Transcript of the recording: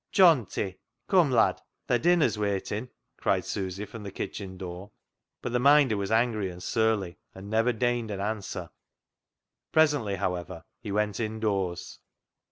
" Johnty, come lad. Thy dinner's waitin'," cried Susy from the kitchen door. But the Minder was angry and surly, and never deigned an answer Presently, however, he went indoors.